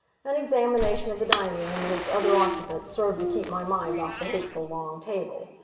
An examination of the dining room and its other occupants served to keep my mind off the hateful long table.